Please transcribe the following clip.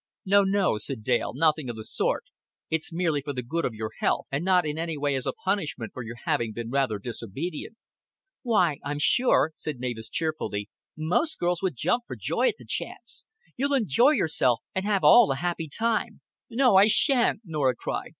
"No, no," said Dale. "Nothing of the sort. It's merely for the good of your health and not in any way as a punishment for your having been rather disobedient." "Why, I'm sure," said Mavis cheerfully, "most girls would jump for joy at the chance. You'll enjoy yourself, and have all a happy time." "No, I shan't," Norah cried.